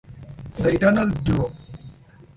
The Eternal Duo!